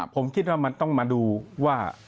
ผมคิดว่ามันต้องมาดูว่า